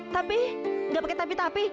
tapi nggak pakai tapi